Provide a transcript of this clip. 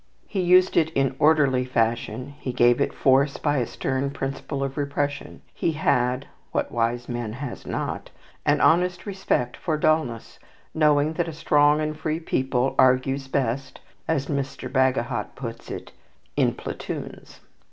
He used it in orderly fashion; he gave it force by a stern principle of repression. He had (what wise man has not?) an honest respect for dulness, knowing that a strong and free people argues best as Mr. Bagehot puts it "in platoons."